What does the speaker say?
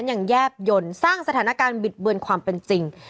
แยบยนต์สร้างสถานการณ์บิดเบือนความเป็นจริง